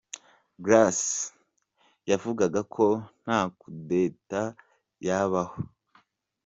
Grace yavugaga ko nta kudeta yabaho.